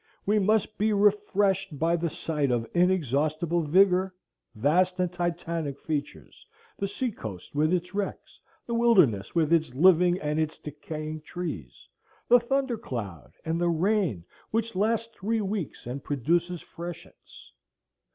We must be refreshed by the sight of inexhaustible vigor, vast and Titanic features, the sea coast with its wrecks, the wilderness with its living and its decaying trees, the thunder cloud, and the rain which lasts three weeks and produces freshets.